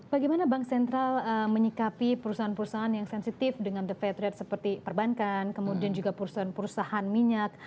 bagaimana bank sentral menyikapi perusahaan perusahaan yang sensitif dengan the fed rate seperti perbankan kemudian juga perusahaan perusahaan minyak